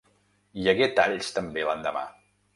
Hi hagué talls també l’endemà.